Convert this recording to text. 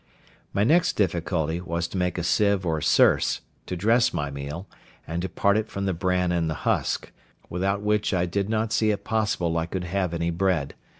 My next difficulty was to make a sieve or searce, to dress my meal, and to part it from the bran and the husk; without which I did not see it possible I could have any bread.